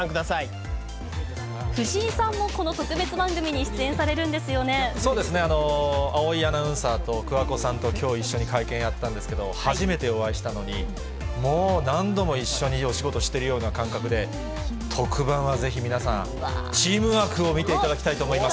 藤井さんもこの特別番組に出そうですね、青井アナウンサーと桑子さんと、きょう一緒に会見やったんですけど、初めてお会いしたのに、もう何度も一緒にお仕事しているような感覚で、特番はぜひ皆さん、チームワークを見ていただきたいと思います。